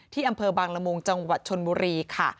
อำเภอบางละมุงจังหวัดชนบุรีค่ะ